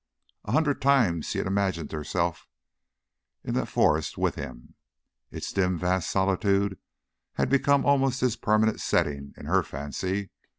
A hundred times she had imagined herself in that forest with him; its dim vast solitude had become almost his permanent setting in her fancy.